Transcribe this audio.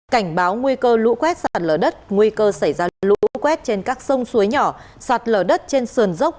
cảnh báo nguy cơ lũ quét sạt lở đất nguy cơ xảy ra lũ quét trên các sông suối nhỏ sạt lở đất trên sườn dốc